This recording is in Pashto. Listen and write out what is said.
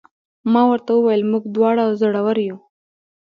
ما ورته وویل: موږ دواړه زړور یو.